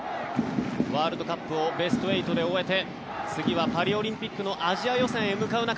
ワールドカップをベスト８で終えて次はパリオリンピックのアジア予選へ向かう中